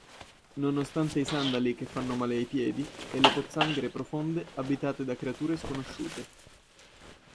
Nonostante i sandali che fanno male ai piedi e le pozzanghere profonde abitate da creature sconosciute.